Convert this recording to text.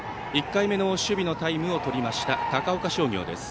１回目の守備のタイムを取りました高岡商業です。